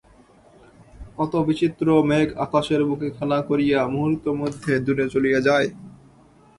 কত বিচিত্র মেঘ আকাশের বুকে খেলা করিয়া মুহূর্তমধ্যে দূরে চলিয়া যায়।